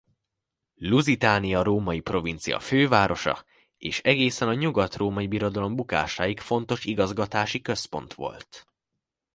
Lusitania római provincia fővárosa és egészen a Nyugat-Római Birodalom bukásáig fontos igazgatási központ volt.